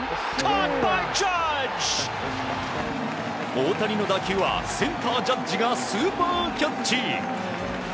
大谷の打球はセンターのジャッジがスーパーキャッチ。